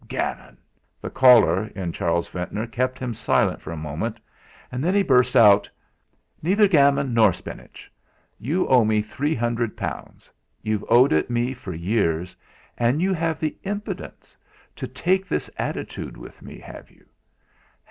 "Gammon!" The choler in Charles Ventnor kept him silent for a moment; then he burst out: "Neither gammon nor spinach. You owe me three hundred pounds, you've owed it me for years, and you have the impudence to take this attitude with me, have you?